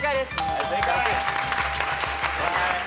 はい正解。